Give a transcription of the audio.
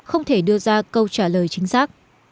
không thể đưa ra câu trả lời chính xác